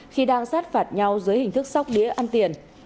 khi đang sát phạt nhau dưới hình thức sóc đĩa ăn tiền